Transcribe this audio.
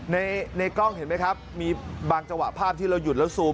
ในกล้องเห็นไหมครับมีบางจังหวะภาพที่เราหยุดแล้วซูม